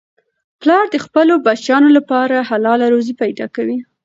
پلار د خپلو بچیانو لپاره حلاله روزي پیدا کوي.